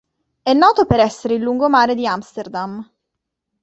È noto per essere il lungomare di Amsterdam.